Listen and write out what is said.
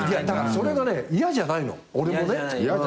だからそれがね嫌じゃないの俺もね。